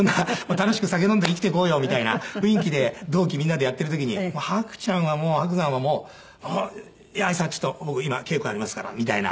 楽しく酒飲んで生きていこうよみたいな雰囲気で同期みんなでやっている時に伯ちゃんはもう伯山はもう「いやさちょっと僕今稽古ありますから」みたいな。